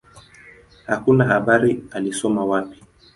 Hakuna habari alisoma wapi.